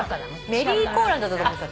メリーコーランドだと思っちゃった。